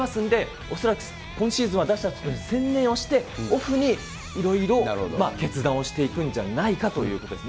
恐らく今シーズンは打者に専念をして、オフにいろいろ決断をしていくんじゃないかということです。